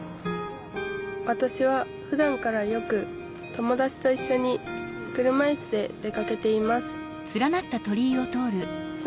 わたしはふだんからよく友達といっしょに車いすで出かけています